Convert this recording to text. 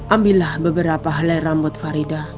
ambillah beberapa helai rambut farida